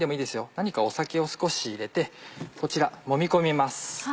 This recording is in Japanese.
何か酒を少し入れてこちらもみ込みます。